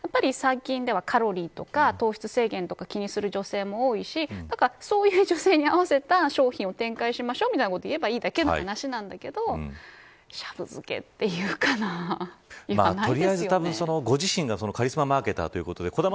ただ、やはり最近ではカロリーとか糖質制限とか気にする女性も多いしそういう女性に合わせた商品を展開しましょう、みたいなことを言えばいいだけの話なんだけどシャブ漬けって言うかなと。